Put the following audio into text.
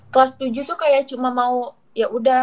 kelas tujuh tuh kayak cuma mau ya udah